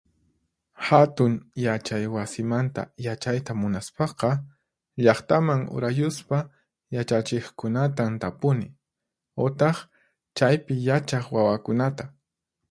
Hatun Yachay Wasimanta yachayta munaspaqa, llaqtaman urayuspa yachachiqkunatan tapuni, utaq chaypi yachaq wawakunata.